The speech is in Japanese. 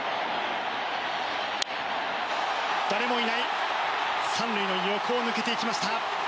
誰もいない３塁の横を抜けていきました。